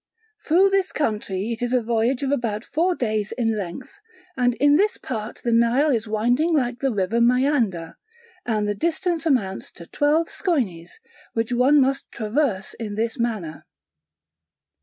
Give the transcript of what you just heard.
Through this country it is a voyage of about four days in length, and in this part the Nile is winding like the river Maiander, and the distance amounts to twelve schoines, which one must traverse in this manner.